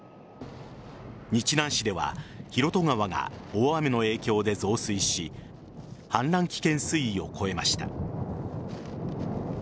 日南市では広渡川が大雨の影響で増水し氾濫危険水位を超えました。